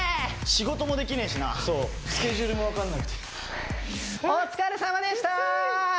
仕事もできねえしなそうスケジュールもわかんなくてお疲れさまでした！